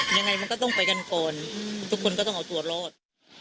ยังไงมันก็ต้องไปกันก่อนทุกคนก็ต้องเอาตัวรอด